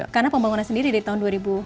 karena pembangunan sendiri di tahun dua ribu